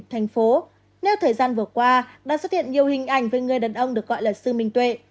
thành phố nơi thời gian vừa qua đã xuất hiện nhiều hình ảnh về người đàn ông được gọi là sư minh tuệ